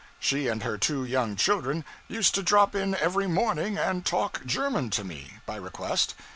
She and her two young children used to drop in every morning and talk German to me by request.